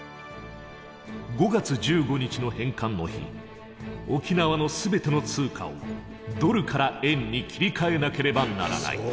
５月１５日の返還の日沖縄の全ての通貨をドルから円に切り替えなければならない。